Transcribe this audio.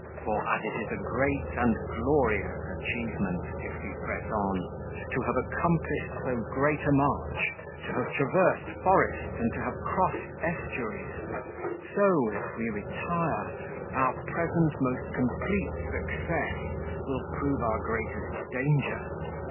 For as it is a great and glorious achievement, if we press on, to have accomplished so great a march, to have traversed forests and to have crossed estuaries, so, if we retire, our present most complete success will prove our greatest danger.